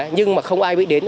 nhưng mà không ai biết đến